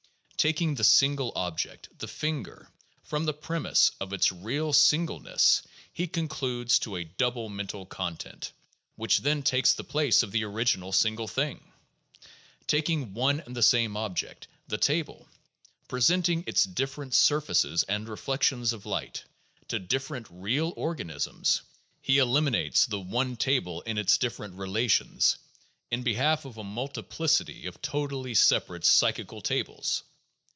Taking the single object, the finger, from the premise of its real singleness he concludes to a double mental content, which then takes the place of the original single thing! Taking one and the same object, the table, presenting its different surfaces and reflections of light to different real organisms, he eliminates the one table in its different relations in behalf of a multiplicity of totally separate psychical tables!